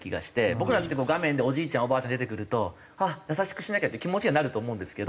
僕らって画面でおじいちゃんおばあちゃん出てくると優しくしなきゃって気持ちにはなると思うんですけど。